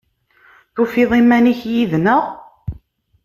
Tufiḍ iman-ik yid-neɣ?